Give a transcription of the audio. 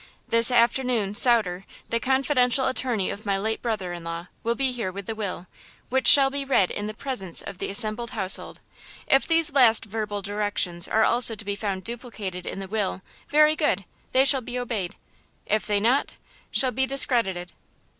This afternoon Sauter, the confidential attorney of my late brother in law, will be here with the will, which shall be read in the presence of the assembled household. If these last verbal directions are also to be found duplicated in the will, very good, they shall be obeyed; if they not, shall be discredited."